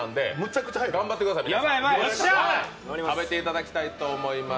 食べていただきたいと思います。